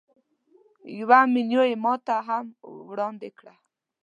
یوه مینو یې ماته هم راوړاندې کړه.